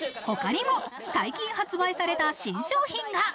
他にも最近発売された新商品が。